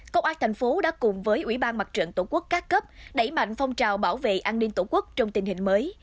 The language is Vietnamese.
công an thành phố đã cùng với ủy ban mặt trận tổ quốc các cấp đẩy mạnh phong trào bảo vệ an ninh tổ quốc trong tình hình mới